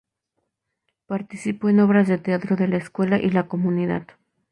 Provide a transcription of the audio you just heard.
Participó en obras de teatro de la escuela y la comunidad.